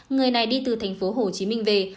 người này đi từ thành phố hồ chí minh về